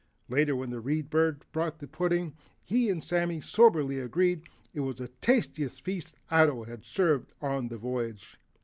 Later when the Read Bird brought in the pudding, he and Sammy soberly agreed it was the tastiest feast Ato had served on the voyage.